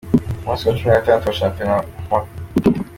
Umunsi wa cumi na gatandatu wa shampiyona wagoye amakipe